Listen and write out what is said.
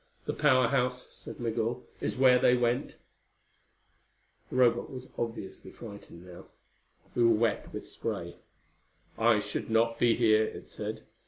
"The Power House," said Migul, "is where they went." The Robot was obviously frightened, now. We were wet with spray. "I should not be here," it said.